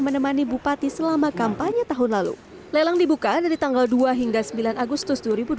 menemani bupati selama kampanye tahun lalu lelang dibuka dari tanggal dua hingga sembilan agustus